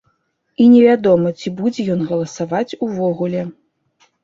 І невядома, ці будзе ён галасаваць увогуле.